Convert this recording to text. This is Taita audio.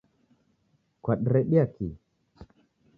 Kwadiredia kii?